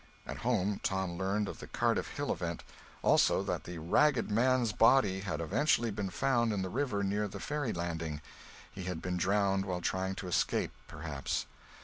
At home Tom learned of the Cardiff Hill event; also that the "ragged man's" body had eventually been found in the river near the ferry landing; he had been drowned while trying to escape, perhaps.